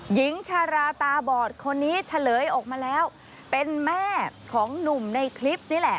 หญิงชาราตาบอดคนนี้เฉลยออกมาแล้วเป็นแม่ของหนุ่มในคลิปนี่แหละ